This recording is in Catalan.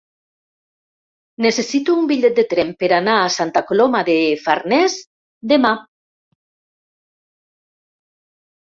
Necessito un bitllet de tren per anar a Santa Coloma de Farners demà.